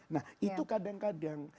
nah itu kadang kadang